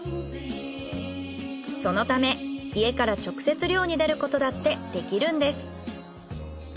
そのため家から直接漁に出ることだってできるんです。